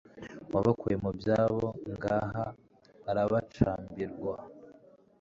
Wabakuye mu byabo Ngaha arabacambirwa*